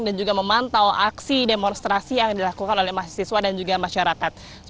dan juga memantau aksi demonstrasi yang dilakukan oleh mahasiswa dan juga masyarakat